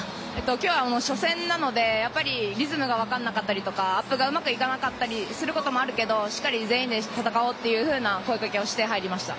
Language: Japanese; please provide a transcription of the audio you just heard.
今日は初戦なので、リズムが分からなかったりとか、アップがうまくいかなかったりすることもあるけどしっかり全員で戦おうという声かけをして入りました。